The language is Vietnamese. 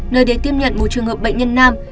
nơi đến tiếp nhận một trường hợp bệnh nhân nam